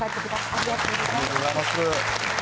ありがとうございます。